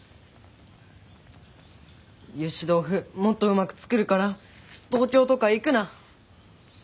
ゆし豆腐もっとうまく作るから東京とか行くな！